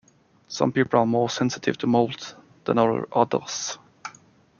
Some people are more sensitive to mold than others.